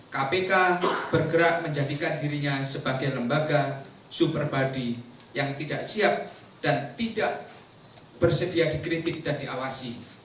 kpk bergerak menjadikan dirinya sebagai lembaga super body yang tidak siap dan tidak bersedia dikritik dan diawasi